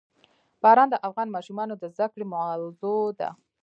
باران د افغان ماشومانو د زده کړې موضوع ده.